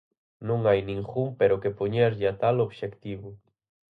Non hai ningún pero que poñerlle a tal obxectivo.